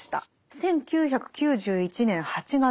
１９９１年８月。